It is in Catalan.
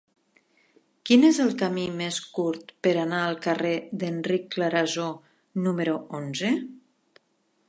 Quin és el camí més curt per anar al carrer d'Enric Clarasó número onze?